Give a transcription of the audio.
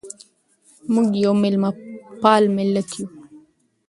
موږ یو مېلمه پال ملت یو.